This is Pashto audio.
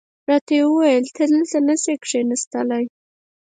راته یې وویل ته دلته نه شې کېناستلای.